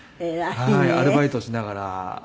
アルバイトしながらはい。